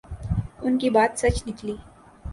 ان کی بات سچ نکلی۔